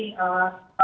atau apa yang terjadi